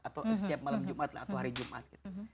atau setiap malam jumat atau hari jumat gitu